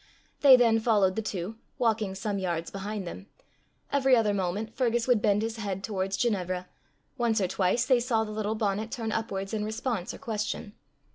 They then followed the two, walking some yards behind them. Every other moment Fergus would bend his head towards Ginevra; once or twice they saw the little bonnet turn upwards in response or question.